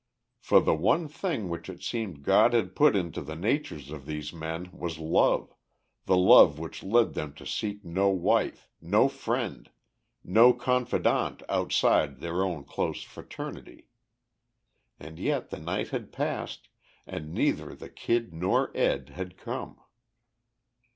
For the one thing which it seemed God had put into the natures of these men was love, the love which led them to seek no wife, no friend, no confidante outside their own close fraternity. And yet the night had passed and neither the Kid nor Ed had come.